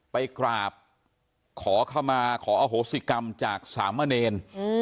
ไปกราบขอเข้ามาขออโหสิกรรมจากสามเณร